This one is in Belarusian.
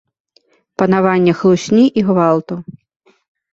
Панаванне хлусні і гвалту.